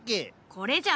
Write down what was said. これじゃ。